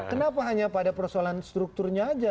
kenapa hanya pada persoalan strukturnya aja